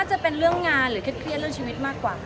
จะเป็นเรื่องงานหรือเครียดเรื่องชีวิตมากกว่า